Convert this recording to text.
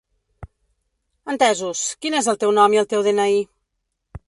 Entesos, quin és el teu nom i el teu de-ena-i?